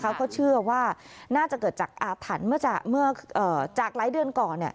เชื่อว่าน่าจะเกิดจากอาถรรพ์เมื่อจากหลายเดือนก่อน